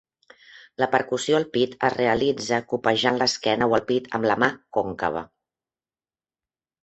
La percussió al pit es realitza copejant l'esquena o el pit amb la mà còncava.